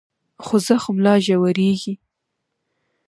خو زخم لا ژورېږي.